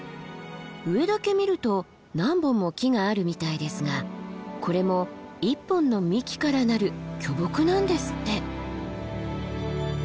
上だけ見ると何本も木があるみたいですがこれも１本の幹からなる巨木なんですって。